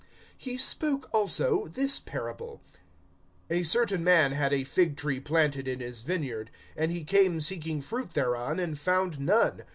(6)He spoke also this parable: A certain man had a fig tree planted in his vineyard; and he came seeking fruit thereon, and found none.